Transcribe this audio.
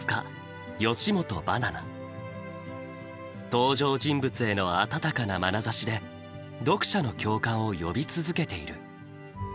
登場人物への温かなまなざしで読者の共感を呼び続けている。